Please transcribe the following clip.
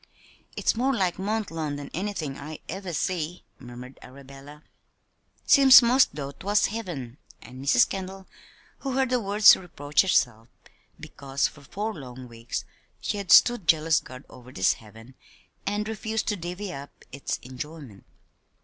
"It's more like Mont Lawn than anythin' I ever see," murmured Arabella. "Seems 'most as though 'twas heaven." And Mrs. Kendall, who heard the words, reproached herself because for four long weeks she had stood jealous guard over this "heaven" and refused to "divvy up" its enjoyment.